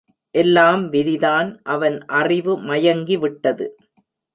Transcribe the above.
எல்லாம் விதிதான் அவன் அறிவு மயங்கிவிட்டது.